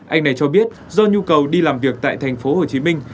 anh này cho biết do nhu cầu đi làm việc tại thành phố hồ chí minh